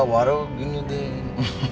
waduh gini deh